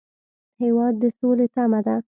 هېواد د سولې تمه ده.